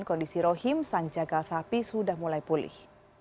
kondisi rohim sang jagal sapi sudah mulai pulih